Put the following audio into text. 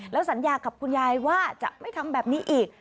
แล้วสัญญากับคุณยายว่าจะไม่ทำแบบนี้อีก